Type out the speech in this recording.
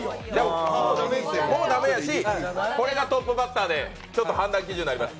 これがトップバッターで判断基準になります。